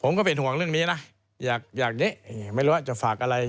ผมก็เป็นห่วงเรื่องนี้นะอยากนี้ไม่รู้ว่าจะฝากอะไร